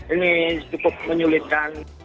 ini cukup menyulitkan